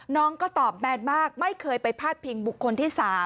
น้องก็ตอบแบนมากไม่เคยไปพาดพิงบุคคลที่๓